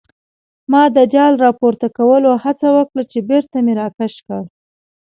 ما د جال راپورته کولو هڅه وکړه چې بېرته مې راکش کړ.